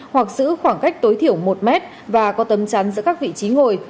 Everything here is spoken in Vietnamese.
hoặc giữ khoảng cách tối thiểu một mét và có tấm chắn giữa các vị trí ngồi